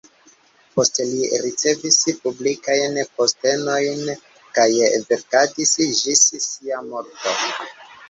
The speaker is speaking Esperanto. Poste li ricevis publikajn postenojn kaj verkadis ĝis sia morto.